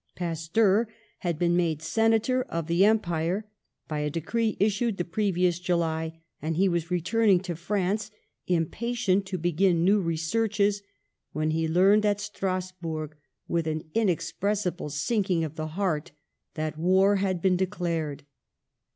Pasteur had been made Senator of the Em pire by a decree issued the previous July, and he was returning to France, impatient to be gin new researches, when he learned at Stras burg, with an inexpressible sinking of the heart, that war had been declared.